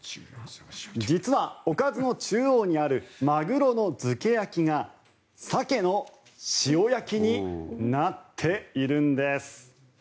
実はおかずの中央にあるマグロの漬け焼きがサケの塩焼きになっているんです。